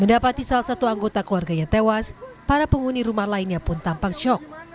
mendapati salah satu anggota keluarganya tewas para penghuni rumah lainnya pun tampak shock